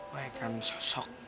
wah ikan sosok